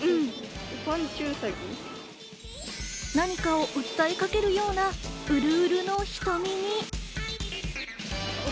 何かを訴えかけるような、うるうるの瞳に。